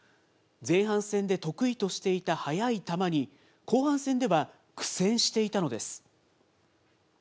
前半戦で得意としていた速い球に後半戦では苦戦していたのです。